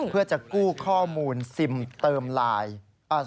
เพื่อจะกู้ข้อมูลซิมเติมไลน์